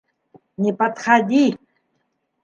- Не подходи!